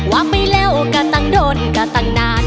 ว่าไปแล้วก็ตั้งโดนก็ตั้งนาน